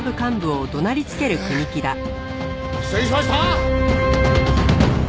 えー失礼しました！